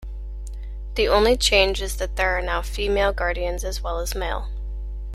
The only change is that there are now female Guardians as well as male.